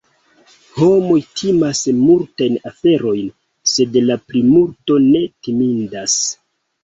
Homoj timas multajn aferojn, sed la plimulto ne timindas.